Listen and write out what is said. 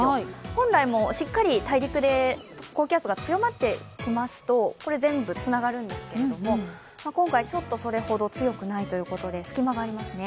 本来、しっかり大陸で高気圧が強まってきますと全部つながるんですけれども、今回それほど強くないということで隙間がありますね。